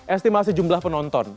estimasi jumlah penonton